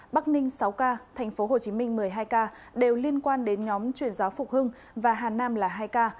bắc ninh sáu ca tp hcm một mươi hai ca đều liên quan đến nhóm chuyển giáo phục hưng và hà nam là hai ca